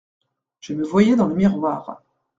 Je me voyais dans le miroir.